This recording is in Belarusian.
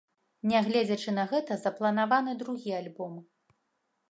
Нягледзячы на гэта, запланаваны другі альбом.